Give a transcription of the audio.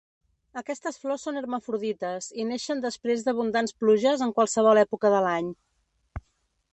Aquestes flors són hermafrodites i neixen després d'abundants pluges en qualsevol època de l'any.